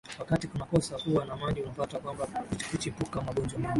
wakati kunakosa kuwa na maji unapata kwamba kuchipuka magonjwa mengi